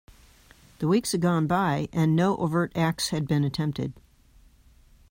The weeks had gone by, and no overt acts had been attempted.